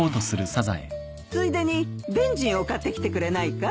ついでにベンジンを買ってきてくれないかい？